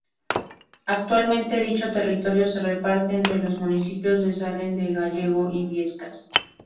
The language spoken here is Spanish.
Actualmente dicho territorio se reparte entre los municipios de Sallent de Gállego y Biescas.